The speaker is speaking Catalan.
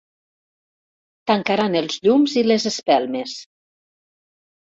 Tancaran els llums i les espelmes.